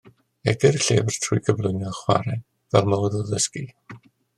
Egyr y llyfr trwy gyflwyno chwarae fel modd o ddysgu.